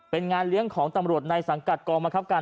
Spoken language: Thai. เป็นงานเลี้ยงของตำรวจในสังกัดกองบังคับการ